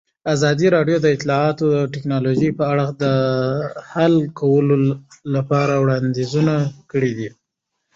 ازادي راډیو د اطلاعاتی تکنالوژي په اړه د حل کولو لپاره وړاندیزونه کړي.